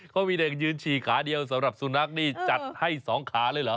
เขามีเด็กยืนฉี่ขาเดียวสำหรับสุนัขนี่จัดให้๒ขาเลยเหรอ